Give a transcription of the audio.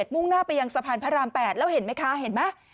มุ่งหน้าไปยังสะพานพระราม๘แล้วเห็นไหมคะเห็นไหม